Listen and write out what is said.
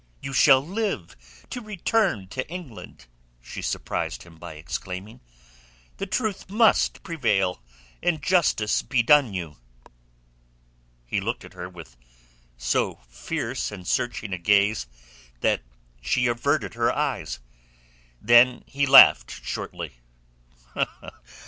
"You shall live to return to England," she surprised him by exclaiming. "The truth must prevail, and justice be done you." He looked at her with so fierce and searching a gaze that she averted her eyes. Then he laughed shortly.